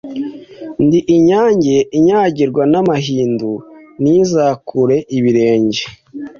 Ndi inyange inyagirwa n’amahindu ntizakure ibirenge,